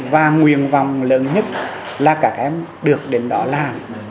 và nguyên vọng lớn nhất là các em được đến đó làm